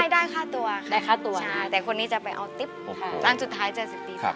ได้ได้ค่าตัวได้ค่าตัวใช่แต่คนนี้จะไปเอาติ๊บโอ้โหอันสุดท้ายจะสิบปีสาม